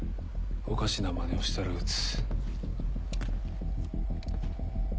おかしなまねをしたら撃つ。